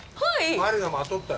マリが待っとったよ。